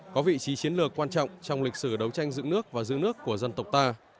có vị trí chiến lược quan trọng trong lịch sử đấu tranh dựng nước và giữ nước của dân tộc ta